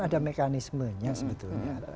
ada mekanismenya sebetulnya